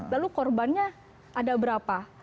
lalu korbannya ada berapa